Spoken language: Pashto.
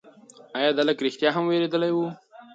ایا دا هلک رښتیا هم وېرېدلی و؟